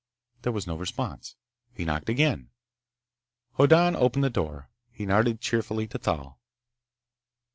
There was no response. He knocked again. Hoddan opened the door. He nodded cheerfully to Thal.